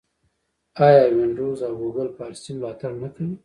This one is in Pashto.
آیا وینډوز او ګوګل فارسي ملاتړ نه کوي؟